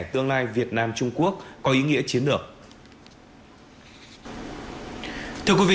tương lai việt nam trung quốc có ý nghĩa chiến lược